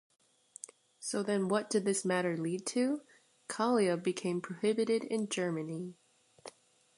so then what did this matter lead to? Kalia became prohibited in Germany